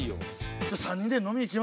じゃ３人で飲み行きますか？